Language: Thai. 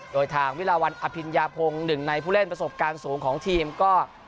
โดยทางวิลาวันอภิญญาพงศ์หนึ่งในผู้เล่นประสบการณ์สูงของทีมก็